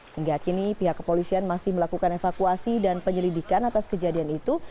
hingga kini pihak kepolisian masih melakukan evakuasi dan penyelidikan atas kejadian itu